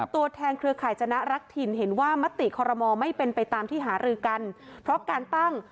ตัวแทนเครือข่ายจนรักถิ่นเห็นว่ามะติขอรมอไม่เป็นไปตามที่หาฤอกัน